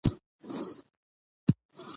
زموږ پر شاعرۍ باندې نارينه زاويه